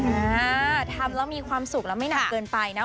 อ่าทำแล้วมีความสุขแล้วไม่หนักเกินไปนะ